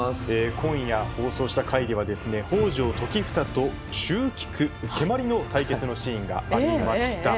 今夜、放送した回では北条時房と蹴鞠けまりの対決のシーンがありました。